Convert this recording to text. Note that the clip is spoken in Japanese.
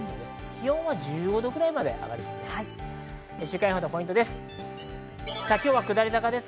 気温は１５度ぐらいまで上がりそうです。